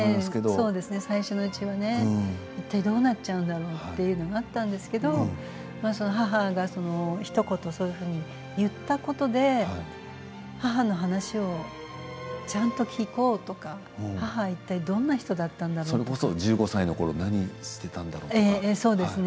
そうですね最初のうちはいったいどうなっちゃうんだろうというのもあったんですけれど母がひと言そういうふうに言ったことで、母の話をちゃんと聞こうとか母はいったいどんな人それこそ１５歳のころ何をしていたんだろうとか。